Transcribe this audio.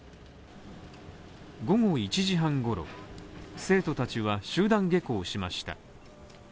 午後１時半ごろ、生徒たちは集団下校しました。